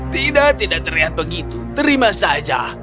tidak tidak terlihat begitu terima saja